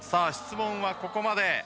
質問はここまで。